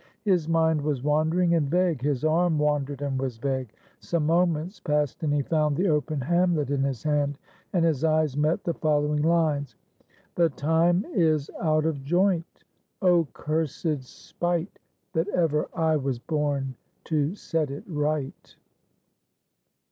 His mind was wandering and vague; his arm wandered and was vague. Some moments passed, and he found the open Hamlet in his hand, and his eyes met the following lines: "The time is out of joint; Oh cursed spite, That ever I was born to set it right!"